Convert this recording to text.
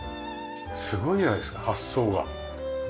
すごいじゃないですか発想が。